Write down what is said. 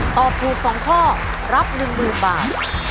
ตอบถูก๒ข้อรับ๑๐๐๐บาท